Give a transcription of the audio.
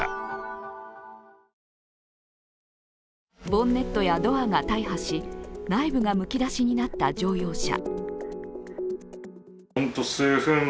ボンネットやドアが大破し内部がむき出しになった乗用車。